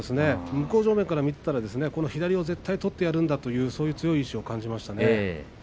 向正面から見ていると、左を絶対取ってやるというそういう意志を感じました。